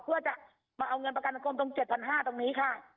เพื่อจะมาเอาเงินประกันกรมตรง๗๕๐๐ตรงนี้ค่ะ